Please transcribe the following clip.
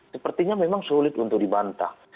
sepertinya memang sulit untuk dibantah